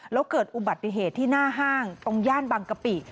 แล้วเกิดอุบัติเหตุที่หน้าห้างตรงย่านบางกะปิ